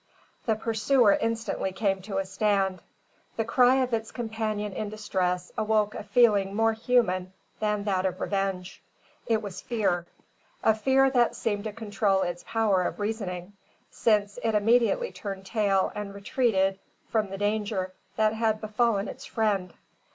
The pursuer instantly came to a stand. The cry of its companion in distress awoke a feeling more human than that of revenge. It was fear, a fear that seemed to control its power of reasoning, since it immediately turned tail and retreated from the danger that had befallen its friend.